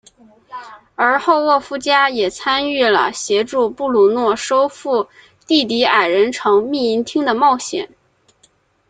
而后沃夫加也参与了协助布鲁诺收复地底矮人城秘银厅的冒险。